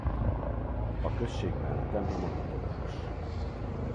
A községben temploma katolikus.